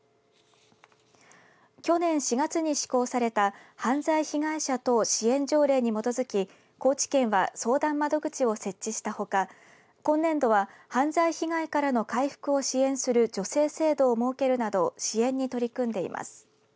去年４月に施行された犯罪被害者等支援条例に基づき高知県は相談窓口を設置したほか今年度は、犯罪被害からの回復を支援する助成制度を設けるなど支援に取り組んでいます。